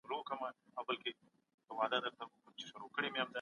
د مایکرو فلم ریډر کارول ډېر اسان دي.